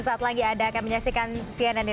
saat lagi anda akan menyaksikan cnn indonesia world now